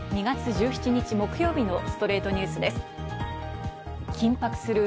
２月１７日、木曜日の『ストレイトニュース』です。